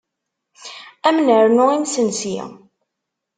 Ad m-nernu imesnsi?